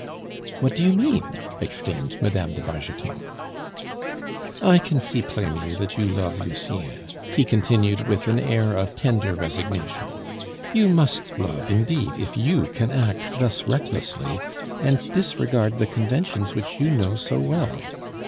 "What do you mean?" exclaimed Mme. de Bargeton. "I can see plainly that you love Lucien," he continued, with an air of tender resignation. "You must love indeed if you can act thus recklessly, and disregard the conventions which you know so well.